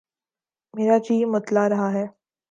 میرا جی متلا رہا ہے